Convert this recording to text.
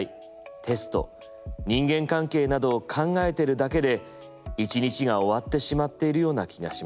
テスト人間関係などを考えてるだけで一日が終わってしまっているような気がします。